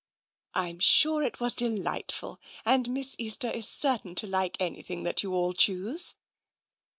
" Fm sure it was delightful, and Miss Easter is certain to like anything that you all choose."